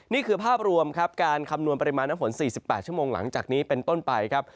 นี่คือภาพรวมครับการคำนวณปริมาณน้ำฝน๔๘ชั่วโมงหลังจากนี้เป็นต้นไปครับ